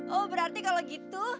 oh berarti kalau gitu